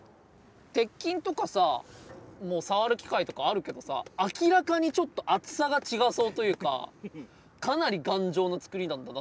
鉄筋とかさ触る機会とかあるけどさ明らかにちょっと厚さが違そうというかかなり頑丈な造りなんだな。